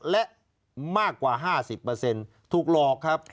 และมากกว่า๕๐ถูกหลอกครับ